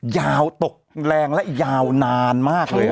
ยาวตกแรงและยาวนานมากเลย